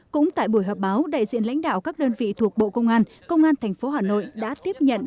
cũng tại buổi họp báo đại diện lãnh đạo các đơn vị thuộc bộ công an công an tp hà nội đã tiếp nhận